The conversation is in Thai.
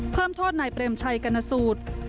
เพิ่มโทษนายเปรมชัยกรณสูตร